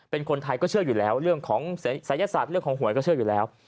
เป็นคนไทยก็เชื่ออยู่แล้วเรื่องของศัยศาสตร์เรื่องของหวยก็เชื่ออยู่แล้ว